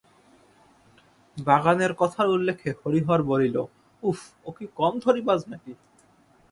বাগানের কথার উল্লেখে হরিহর বলিল, উঃ, ও কি কম ধড়িবাজ নাকি!